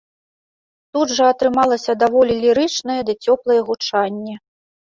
Тут жа атрымалася даволі лірычнае ды цёплае гучанне.